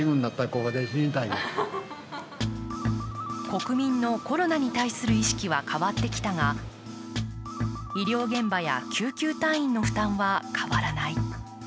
国民のコロナに対する意識は変わってきたが、医療現場や救急隊員の負担は変わらない。